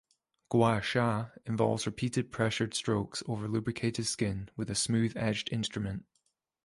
"Gua sha" involves repeated pressured strokes over lubricated skin with a smooth edged instrument.